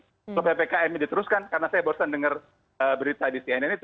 kalau ppkm ini diteruskan karena saya bosan dengar berita di cnn itu